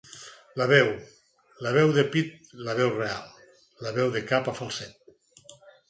La veu, la veu de pit la veu real, i la veu de cap o falset